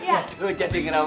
aduh jadi ngeramotin